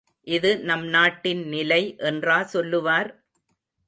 இது நம் நாட்டின் நிலை என்றா சொல்லுவார்?